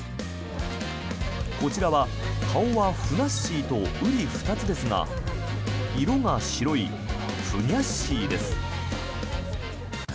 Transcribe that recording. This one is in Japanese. こちらは顔はふなっしーとうり二つですが色が白い、ふにゃっしーです。